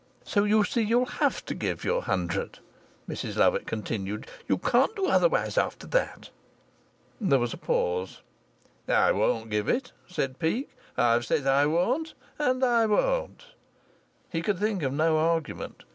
"So you see you'll have to give your hundred," Mrs Lovatt continued. "You can't do otherwise after that." There was a pause. "I won't give it," said Peake. "I've said I won't, and I won't." He could think of no argument.